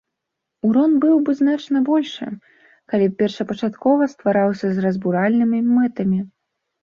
Урон быў бы значна большы, калі б першапачаткова ствараўся з разбуральнымі мэтамі.